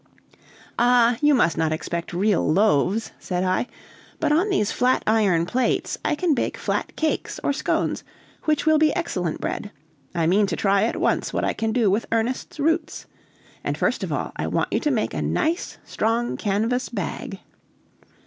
"Ah, you must not expect real loaves," said I. "But on these flat iron plates I can bake flat cakes or scones, which will be excellent bread; I mean to try at once what I can do with Ernest's roots. And first of all, I want you to make a nice strong canvas bag."